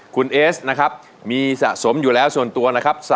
คุณเอสนะครับมีสะสมอยู่แล้วส่วนตัวนะครับ